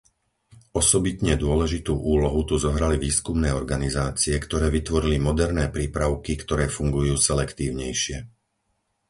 Osobitne dôležitú úlohu tu zohrali výskumné organizácie, ktoré vytvorili moderné prípravky, ktoré fungujú selektívnejšie.